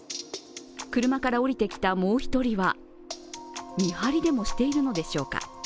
車から降りてきたもう１人は、見張りでもしているのでしょうか。